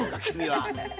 君は。